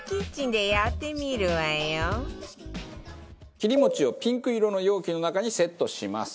切り餅をピンク色の容器の中にセットします。